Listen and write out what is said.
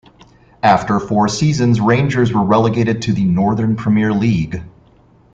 After four seasons Rangers were relegated to the Northern Premier League.